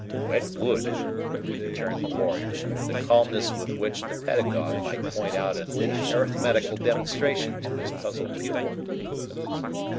"Wet wood," returned the warrior, with the calmness with which the pedagogue might point out an arithmetical demonstration to his puzzled pupil.